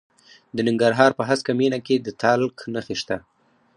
د ننګرهار په هسکه مینه کې د تالک نښې شته.